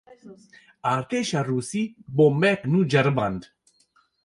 Artêşa Rûsî, bombeyek nû ceriband